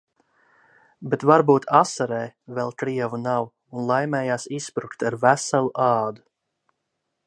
"Bet, varbūt Asarē vēl krievu nav un laimējās izsprukt "ar veselu ādu"."